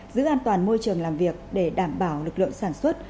giữ an toàn môi trường làm việc để đảm bảo lực lượng sản xuất